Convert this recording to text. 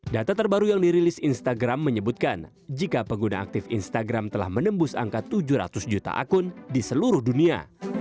data terbaru yang dirilis instagram menyebutkan jika pengguna aktif instagram telah menembus angka tujuh ratus juta akun di seluruh dunia